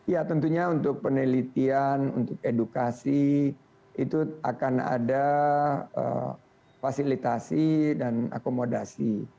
ya tentunya untuk penelitian untuk edukasi itu akan ada fasilitasi dan akomodasi